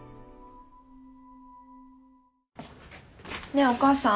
ねえお母さん。